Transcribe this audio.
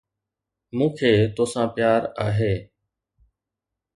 مون کي توسان پيار آھي.